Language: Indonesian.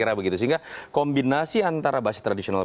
sehingga kombinasi antara basis tradisional